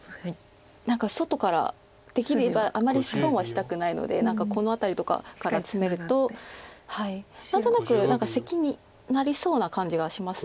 何か外からできればあまり損はしたくないので何かこの辺りとかからツメると何となくセキになりそうな感じがします。